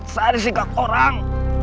saya disinggah orang